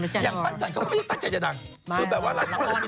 อย่างปั้นจันเขาก็ไม่ใช่ตัดใหญ่